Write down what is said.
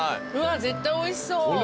うわ絶対おいしそう。